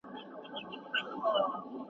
د ستونزو منل ذهني قوت زیاتوي.